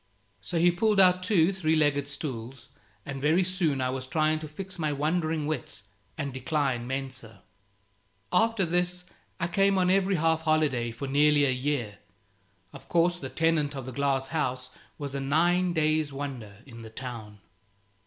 So he pulled out two three legged stools, and very soon I was trying to fix my wandering wits and decline mensa. After this I came on every half holiday for nearly a year. Of course the tenant of the glass house was a nine days' wonder in the town.